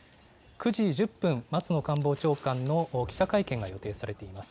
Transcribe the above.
９時１０分、松野官房長官の記者会見が予定されています。